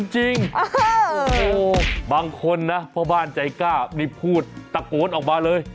จริงบางคนนะพ่อบ้านใจกล้านี่พูดตะโกนออกมาเลย